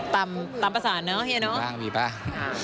ตามภาษาเนอะเหี้ยเนอะมีบ้างมีบ้าง